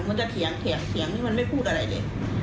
มันจะเถียงมันไม่พูดอะไรเลย